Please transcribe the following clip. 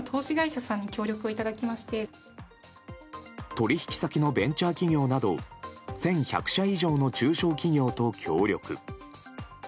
取引先のベンチャー企業など１１００社以上の中小企業と協力。